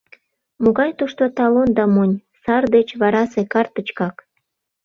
Могай тушто талон да монь — сар деч варасе картычкак.